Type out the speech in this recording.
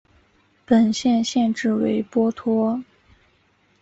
本县县治为波托。